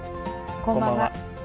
こんばんは。